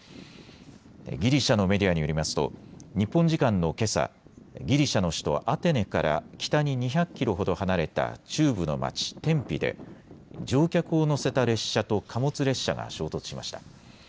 ギリシャのメディアによりますと日本時間のけさ、ギリシャの首都アテネから北に２００キロほど離れた中部の町、テンピで乗客を乗せた列車と貨物列車が衝突しました。